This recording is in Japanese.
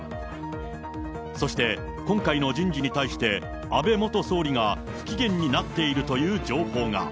そして今回の人事に対して、安倍元総理が不機嫌になっているという情報が。